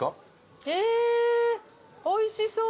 えおいしそう。